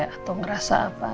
atau ngerasa apa